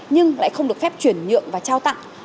nhưng lại không được phép chuyển nhượng và trao tặng